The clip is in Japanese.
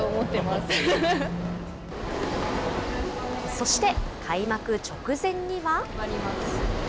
そして開幕直前には。